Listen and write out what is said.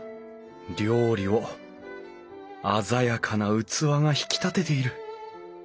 料理を鮮やかな器が引き立てている。